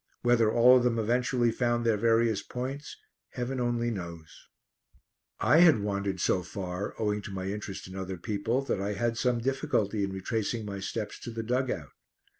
Whether all of them eventually found their various points Heaven only knows! I had wandered so far, owing to my interest in other people, that I had some difficulty in retracing my steps to the dug out.